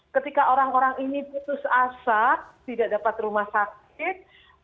ketika orang orang ini putus asap tidak dapat rumah sakit